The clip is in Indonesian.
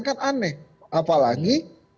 kan aneh apalagi